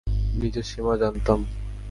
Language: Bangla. নিজের সীমা জানতাম।